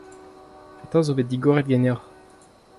Petra zo bet digoret ganeoc'h ?